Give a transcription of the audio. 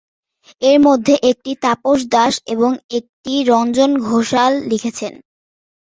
এর মধ্যে একটি তাপস দাস এবং একটি রঞ্জন ঘোষাল লিখেছেন।